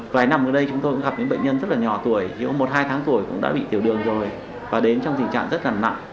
vài năm gần đây chúng tôi cũng gặp những bệnh nhân rất là nhỏ tuổi một hai tháng tuổi cũng đã bị tiểu đường rồi và đến trong tình trạng rất là nặng